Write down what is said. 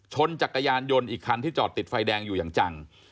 จักรยานยนต์อีกคันที่จอดติดไฟแดงอยู่อย่างจัง